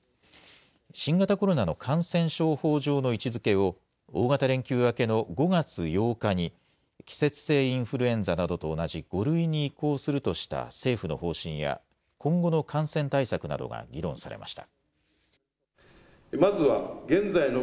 新型コロナの感染症法上の位置づけを、大型連休明けの５月８日に、季節性インフルエンザなどと同じ５類に移行するとした政府の方針や、今後の感染対策などが議論されました。